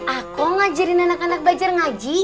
aku ngajarin anak anak belajar ngaji